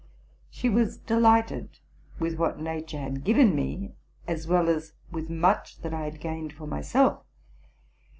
She was delighted with what nature had given me, as well as with much which I had gained for my self.